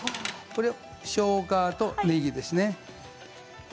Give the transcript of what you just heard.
しょうがとねぎですね。